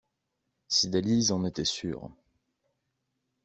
Cydalise en était sûre.